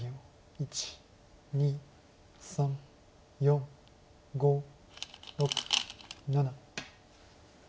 １２３４５６７。